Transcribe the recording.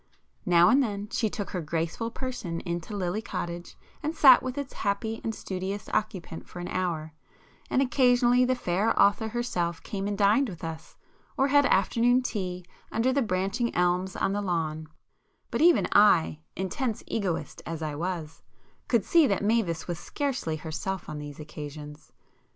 Now and then she took her graceful person into Lily Cottage and sat with its happy and studious occupant for an hour,—and occasionally the fair author herself came and dined with us, or had 'afternoon tea' under the branching elms on the lawn,—but even I, intense egotist as I was, could see that Mavis was scarcely herself on these occasions.